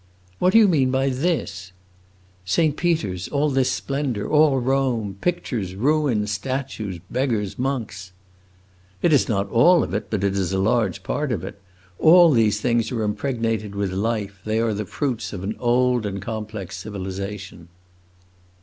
"What do you mean by 'this'?" "Saint Peter's all this splendor, all Rome pictures, ruins, statues, beggars, monks." "It is not all of it, but it is a large part of it. All these things are impregnated with life; they are the fruits of an old and complex civilization."